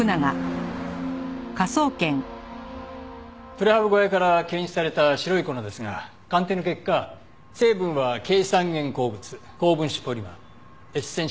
プレハブ小屋から検出された白い粉ですが鑑定の結果成分はケイ酸塩鉱物高分子ポリマーエッセンシャルオイル。